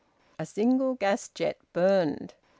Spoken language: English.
A single gas jet burned.